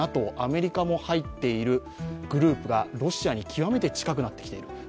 アメリカも入っているグループがロシアに極めて近くなってきている。